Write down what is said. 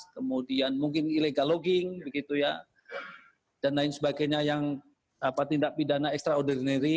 kemudian mungkin illegal logging dan lain sebagainya yang tindak pidana extraordinary